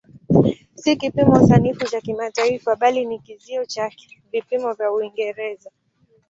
Si kipimo sanifu cha kimataifa bali ni kizio cha vipimo vya Uingereza.